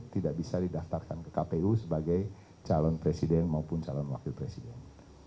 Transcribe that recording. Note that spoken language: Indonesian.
tidak bisa didaftarkan ke kpu sebagai calon presiden maupun calon wakil presiden